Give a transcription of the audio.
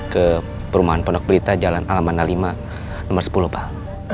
ke perumahan pondok berita jalan alam bandar lima nomor sepuluh pak